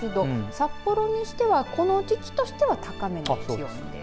札幌にしては、この時期としては高めの気温です。